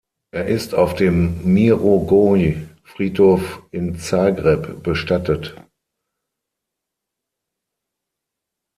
Er ist auf dem Mirogoj-Friedhof in Zagreb bestattet.